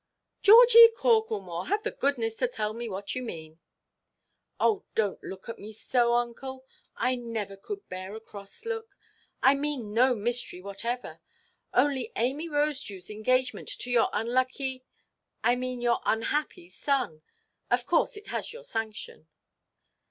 "Georgie Corklemore, have the goodness to tell me what you mean." "Oh, donʼt look at me so, uncle. I never could bear a cross look. I mean no mystery whatever, only Amy Rosedewʼs engagement to your unlucky—I mean your unhappy son. Of course it has your sanction."